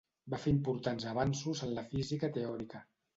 Va fer importants avanços en la física teòrica.